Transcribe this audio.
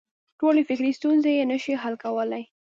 ټولې فکري ستونزې یې نه شوای حل کولای.